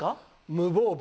無防備。